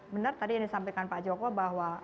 benar tadi yang disampaikan pak joko bahwa